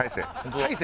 大勢。